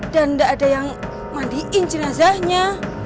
dan gak ada yang mandiin jenazahnya